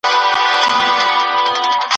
استخاره کول برکت لري.